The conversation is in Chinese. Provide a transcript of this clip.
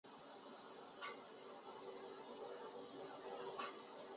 弗雷蒂尼。